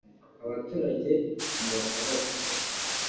abaturage ntibasohoka